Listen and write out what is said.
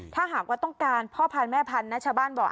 ถ้าหากว่าต้องการพ่อผันแม่ผันชาวบ้านบอก